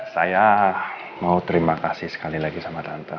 saya mau terima kasih sekali lagi sama tante